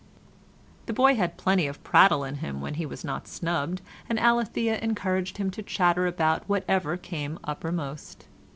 The boy had plenty of prattle in him when he was not snubbed, and Alethea encouraged him to chatter about whatever came uppermost.